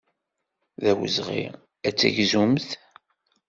D awezɣi ad tegzumt.